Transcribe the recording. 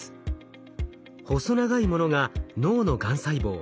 細長いものが脳のがん細胞。